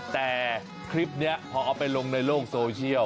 แต่คลิปนี้ถามในแบบโลกโซเชียล